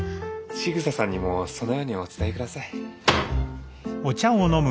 ちぐささんにもそのようにお伝え下さい。